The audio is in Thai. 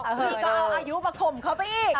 นี่ก็เอาอายุมาข่มเขาไปอีก